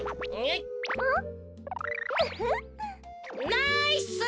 ナイス！